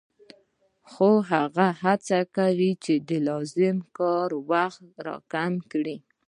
خو هغه هڅه کوي د لازم کار وخت را کم کړي